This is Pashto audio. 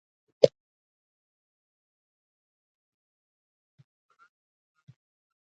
ازادي راډیو د ټولنیز بدلون په اړه د نړیوالو رسنیو راپورونه شریک کړي.